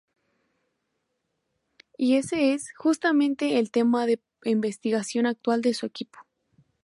Y ese es, justamente, el tema de investigación actual de su equipo.